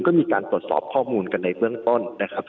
ก็มีการตรวจสอบข้อมูลกันในเบื้องต้นนะครับ